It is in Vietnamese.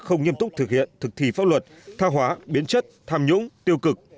không nghiêm túc thực hiện thực thi pháp luật tha hóa biến chất tham nhũng tiêu cực